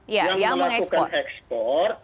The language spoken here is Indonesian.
iya yang mengekspor